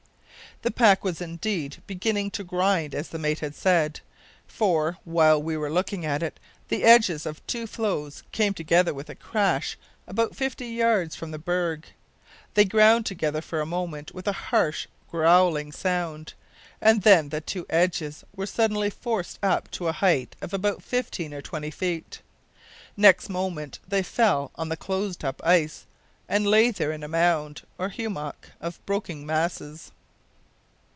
The pack was indeed beginning to "grind," as the mate had said, for, while they were looking at it, the edges of two floes came together with a crash about fifty yards from the berg. They ground together for a moment with a harsh growling sound, and then the two edges were suddenly forced up to a height of about fifteen or twenty feet. Next moment they fell on the closed up ice, and lay there in a mound, or hummock, of broken masses.